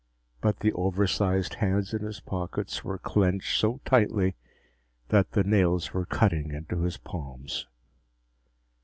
But the oversized hands in his pockets were clenched so tightly that the nails were cutting into his palms.